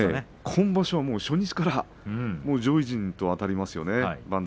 今場所は初日から番付上上位とあたりますね。